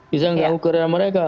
bisa mengganggu karya mereka